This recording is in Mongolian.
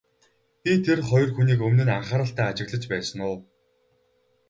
Би тэр хоёр хүнийг өмнө нь анхааралтай ажиглаж байсан уу?